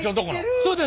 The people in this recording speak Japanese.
そうです。